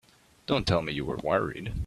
Don't tell me you were worried!